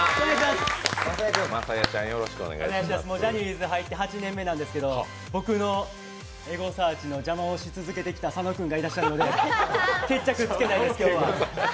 ジャニーズ入って８年目なんですけど僕のエゴサーチの邪魔をし続けてきた佐野君がいるので決着つけたいです、今日は。